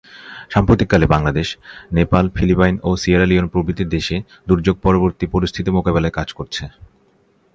সাম্প্রতিককালে বাংলাদেশ, নেপাল, ফিলিপাইন ও Sierra Leone প্রভৃতি দেশে দুর্যোগ-পরবর্তী পরিস্থিতি মোকাবেলায় কাজ করছে।